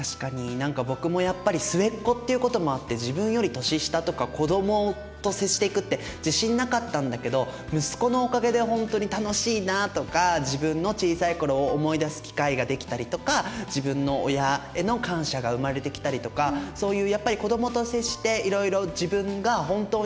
何か僕もやっぱり末っ子っていうこともあって自分より年下とか子どもと接していくって自信なかったんだけど息子のおかげでほんとに楽しいなとか自分の小さい頃を思い出す機会ができたりとか自分の親への感謝が生まれてきたりとかそういう